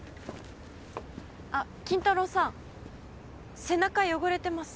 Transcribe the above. あ筋太郎さん背中汚れてます。